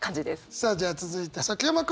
さあじゃあ続いて崎山君。